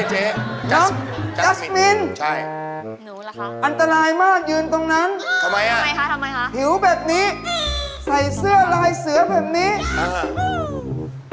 น้องแจ๊สแมนอันตรายมากยืนตรงนั้นผิวแบบนี้ใส่เสื้อลายเสื้อแบบนี้ถูกหรือคะ